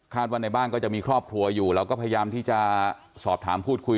ว่าในบ้านก็จะมีครอบครัวอยู่เราก็พยายามที่จะสอบถามพูดคุย